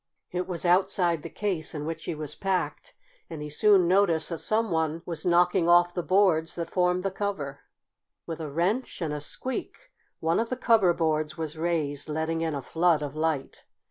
It was outside the case in which he was packed, and he soon noticed that some one was knocking off the boards that formed the cover. With a wrench and a squeak one of the cover boards was raised, letting in a flood of light.